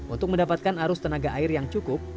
untuk mendapatkan arus tenaga air yang cukup